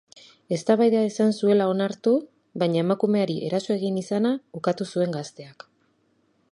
Eztabaida izan zuela onartu, baina emakumeari eraso egin izana ukatu zuen gazteak.